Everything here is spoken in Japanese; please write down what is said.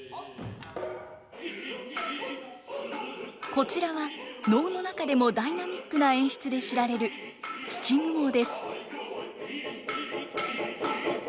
こちらは能の中でもダイナミックな演出で知られる「土蜘蛛」です。